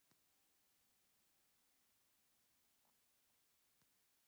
The same two women competed for Belgium that did four years earlier.